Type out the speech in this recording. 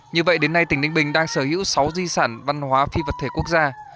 như vậy đến nay tỉnh ninh bình đang sở hữu sáu di sản văn hóa phi vật thể quốc gia